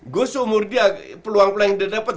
gue seumur dia peluang peluang yang dia dapat